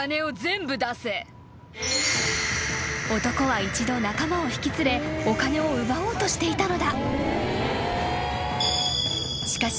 ［男は一度仲間を引き連れお金を奪おうとしていたのだ］